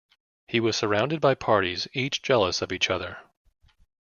He was surrounded by parties each jealous of the other.